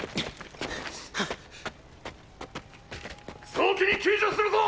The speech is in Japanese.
早期に救助するぞ。